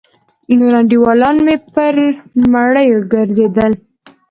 نور انډيوالان مې پر مړيو گرځېدل.